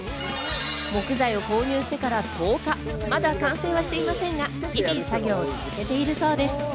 木材を購入してから１０日、まだ完成はしていませんが、日々作業を続けているそうです。